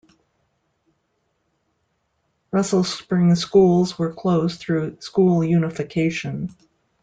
Russell Springs schools were closed through school unification.